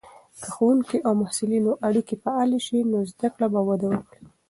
که د ښوونکو او محصلینو اړیکې فعاله سي، نو زده کړه به وده وکړي.